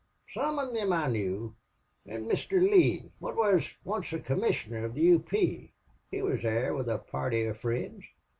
Some of thim I knew. That Misther Lee, wot wuz once a commissioner of the U. P., he wor there with a party of friends.